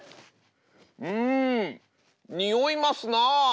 フームにおいますなあ。